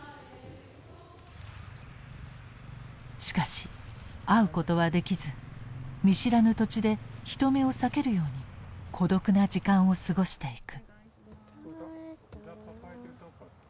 しかし会うことはできず見知らぬ土地で人目を避けるように孤独な時間を過ごしていく。